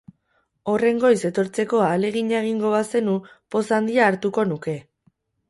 Horren goiz etortzeko ahalegina egingo bazenu, poz handia hartuko nuke.